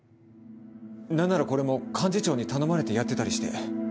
なんならこれも幹事長に頼まれてやってたりして。